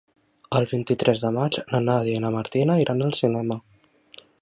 El vint-i-tres de maig na Nàdia i na Martina iran al cinema.